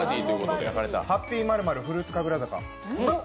ハッピーマルマルフルーツ神楽坂。